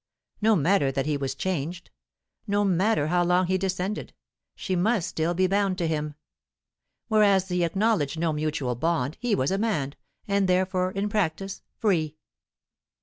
No matter that he was changed; no matter how low he descended; she must still be bound to him. Whereas he acknowledged no mutual bond; he was a man, and therefore in practice free.